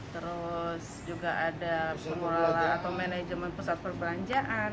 terus juga ada pengelola atau manajemen pusat perbelanjaan